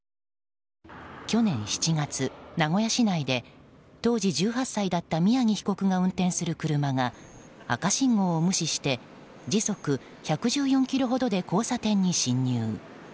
去年７月、名古屋市内で当時１８歳だった宮城被告が運転する車が赤信号を無視して時速１１４キロほどで交差点に進入。